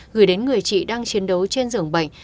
gửi đến người chị đang chiến đấu trên giường bệnh